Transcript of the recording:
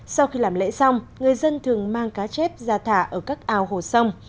sau khi làm lễ xong người dân thường mang cá chép ra thả ở các ao hồ sông